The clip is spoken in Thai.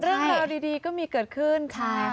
เรื่องราวดีก็มีเกิดขึ้นค่ะ